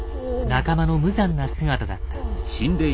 仲間の無残な姿だった。